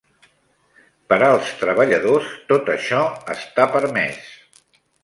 Per als treballadors, tot això està permès.